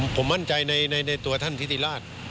ผมมั่นใจในตัวท่านทิติราช